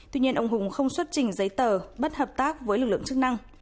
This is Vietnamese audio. tuy nhiên ông hùng không xuất trình giấy tờ bất hợp tác với lực lượng chức năng